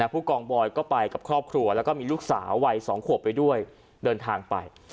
ผู้กองบอยก็ไปกับครอบครัวแล้วก็มีลูกสาววัย๒ขวบไปด้วยเดินทางไป